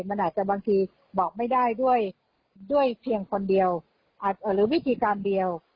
มันอาจจะบางทีบอกไม่ได้ด้วยเพียงคนเดียวหรือวิธีการเดียว